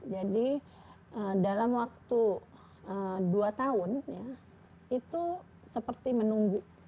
jadi dalam waktu dua tahun itu seperti menunggu